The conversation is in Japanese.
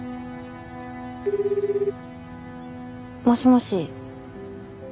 もしもし。